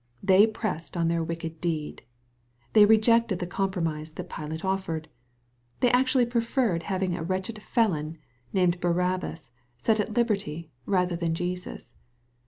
They pressed on their wicked deed. They rejected the compromise that Pilate offered. They actually preferred having a wretched felon, named Barabbas, set at liberty MATTHEW, CHAP. XXVn. 387 rather than Jesus.